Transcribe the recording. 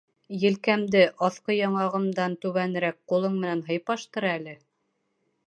— Елкәмде, аҫҡы яңағымдан түбәнерәк, ҡулың менән һыйпаштыр әле.